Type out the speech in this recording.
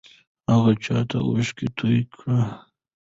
هغه چا ته اوښکې توې کړې؟